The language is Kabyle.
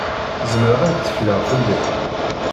Zemreɣ ad tekkleɣ fell-ak?